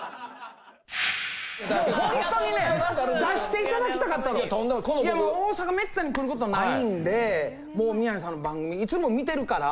もう本当にね、出していただきたかったの、大阪めったに来ることないんで、もう宮根さんの番組、いつも見てるから。